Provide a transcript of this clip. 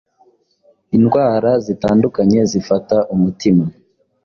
indwara zitandukanye zifata umutima